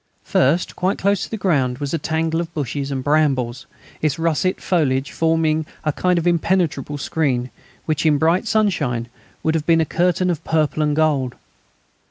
First, quite close to the ground, was a tangle of bushes and brambles, its russet foliage forming a kind of impenetrable screen, which, in bright sunshine, would have been a curtain of purple and gold.